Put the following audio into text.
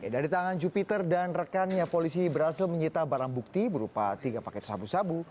dari tangan jupiter dan rekannya polisi berhasil menyita barang bukti berupa tiga paket sabu sabu